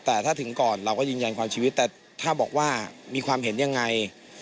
แต่ถ้าถึงก่อนเราก็ยืนยันความชีวิตแต่ถ้าบอกว่ามีความเห็นยังไง